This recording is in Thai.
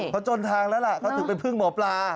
เขาจนทางแล้วล่ะเขาถึงไปพึ่งหมอปลา